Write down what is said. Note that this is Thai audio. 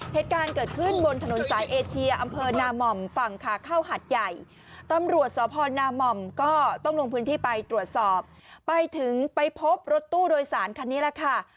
เหตุการณ์เกิดขึ้นบนถนนสายเอเชียอำเภอนาม่อมฝั่งขาเข้าหัดใหญ่ตำรวจสพนาม่อมก็ต้องลงพื้นที่ไปตรวจสอบไปถึงไปพบรถตู้โดยสารคันนี้แหละค่ะ